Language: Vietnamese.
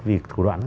vì thủ đoạn